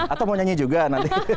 atau mau nyanyi juga nanti